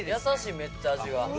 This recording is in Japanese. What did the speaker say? めっちゃ味が。